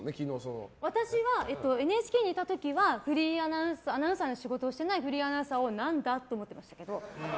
私はＮＨＫにいた時はアナウンサーの仕事をしていないフリーアナウンサーを何だ？って思ってましたけど。